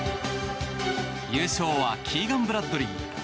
優勝はキーガン・ブラッドリー。